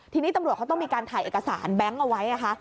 ทีนี้ตำรวจเขาต้องมีการถ่ายเอกสารแบงค์เอาไว้นะคะ